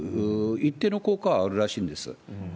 一定の効果はあるらしいんです。